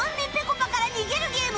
ぱから逃げるゲーム